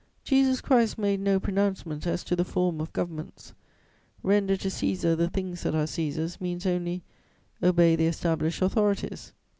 'Jesus Christ made no pronouncement as to the form of governments. "Render to Cæsar the things that are Cæsar's" means only, "Obey the established authorities."